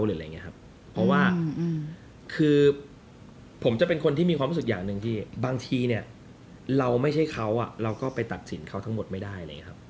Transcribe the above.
เพราะว่าคือผมจะเป็นคนที่มีความรู้สึกอย่างหนึ่งที่บางทีเราไม่ใช่เขาเราก็ไปตัดสินเขาทั้งหมดไม่ได้